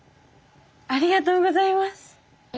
ありがとうございます。